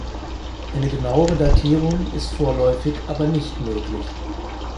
Eine genauere Datierung ist vorläufig aber nicht möglich.